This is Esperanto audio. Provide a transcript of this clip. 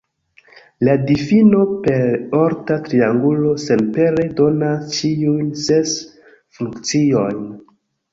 La difino per orta triangulo senpere donas ĉiujn ses funkciojn.